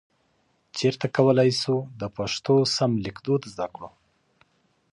چیرته کولای شو د پښتو سم لیکدود زده کړو؟